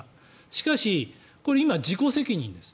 しかし、今これは自己責任です。